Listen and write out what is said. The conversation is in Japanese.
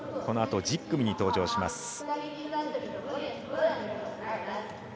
このあと１０組に登場します。